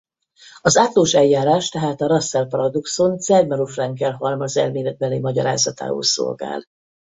Az átlós eljárás tehát a Russell-paradoxon Zermelo-Fraenkel-halmazelméletbeli magyarázatául szolgál.